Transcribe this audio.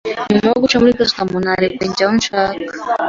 Nyuma yo guca muri gasutamo, narekuwe njya aho nshaka.